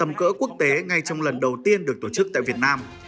tầm cỡ quốc tế ngay trong lần đầu tiên được tổ chức tại việt nam